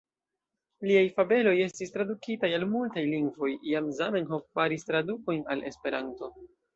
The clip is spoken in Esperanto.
Liaj fabeloj estis tradukitaj al multaj lingvoj; jam Zamenhof faris tradukojn al Esperanto.